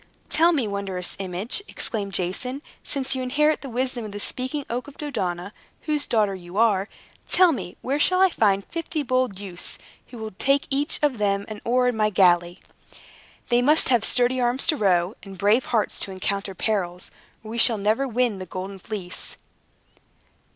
"Tell me, wondrous image," exclaimed Jason, "since you inherit the wisdom of the Speaking Oak of Dodona, whose daughter you are, tell me, where shall I find fifty bold youths, who will take each of them an oar of my galley? They must have sturdy arms to row, and brave hearts to encounter perils, or we shall never win the Golden Fleece."